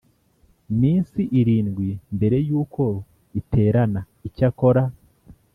minsi irindwi mbere y uko iterana Icyakora